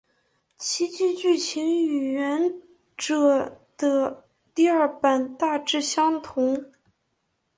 其剧剧情与原着的第二版大致相同。